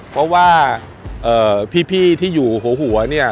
เพราะว่าพี่ที่อยู่หัวเนี่ย